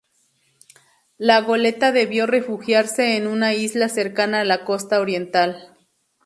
La goleta debió refugiarse en una isla cercana a la costa oriental.